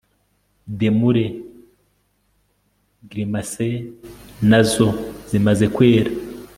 Demure grimacesnazo zimaze kwera